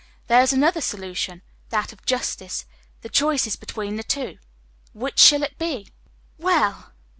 There is another solution, that of justice. The choice is between the two. Which shall it be ?" Well